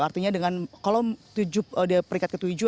artinya dengan kolom tujuh